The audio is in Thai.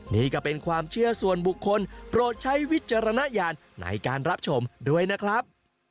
นี่ก็เป็นความเชื่อส่วนบุคคลโปรดใช้วิจารณญาณในการรับชมด้วยนะครับ